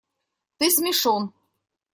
Ты смешон.